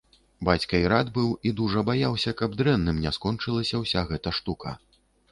Бацька і рад быў і дужа баяўся, каб дрэнным не скончылася ўся гэта штука.